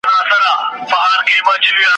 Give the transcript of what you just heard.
زه به دا وروستي نظمونه ستا په نامه ولیکم !.